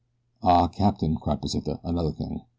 "Ah, Captain!" cried Pesita. "Another thing.